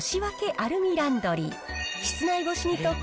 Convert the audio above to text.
アルミランドリー。